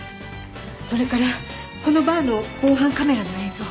それからこのバーの防犯カメラの映像